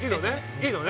いいのね？